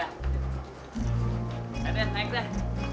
ayo deh naik deh